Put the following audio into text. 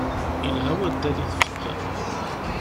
Ilha waddal i tfekka.